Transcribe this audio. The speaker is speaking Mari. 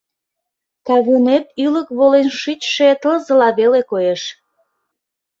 Кавунет ӱлык волен шичше тылзыла веле коеш.